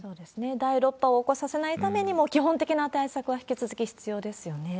第６波を起こさせないためにも、基本的な対策は引き続き必要ですよね。